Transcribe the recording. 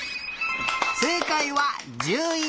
せいかいは１１！